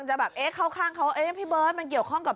เนี๊ยะเข้าข้างเขาเข้าเอ๊ะพี่เบิร์ธมันเกี่ยวข้องกับ